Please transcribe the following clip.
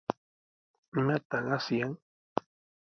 ¿Imataq asyan?